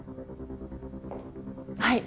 はい。